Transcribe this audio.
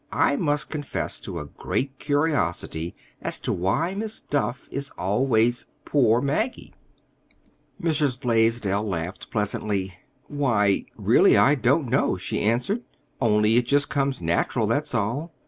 I must confess to a great curiosity as to why Miss Duff is always 'poor Maggie.'" Mrs. Blaisdell laughed pleasantly. "Why, really, I don't know," she answered, "only it just comes natural, that's all.